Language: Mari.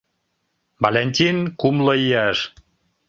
Валентин — кумло ияш.